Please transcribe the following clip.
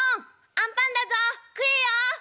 あんパンだぞ食えよ！